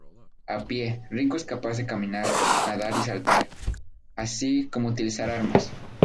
A pie, Rico es capaz de caminar, nadar y saltar, así como utilizar armas.